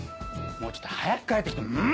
もうちょっと早く帰って来て！